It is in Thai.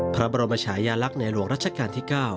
พระบรมชายาลักษณ์ในหลวงรัชกาลที่๙